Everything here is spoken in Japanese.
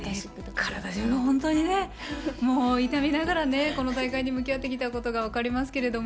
体中が痛みながらこの大会に向き合ってきたことが分かりますけども。